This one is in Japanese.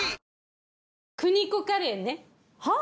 邦子カレーねはあ？